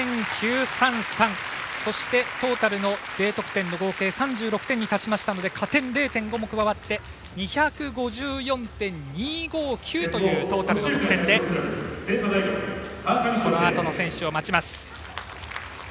そしてトータルのＤ得点の合計３６点に達しましたので加点０．５も加わって２５４．２５９というトータルの得点でこのあとの選手を待ちます。